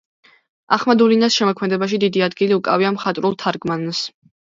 ახმადულინას შემოქმედებაში დიდი ადგილი უკავია მხატვრულ თარგმანს.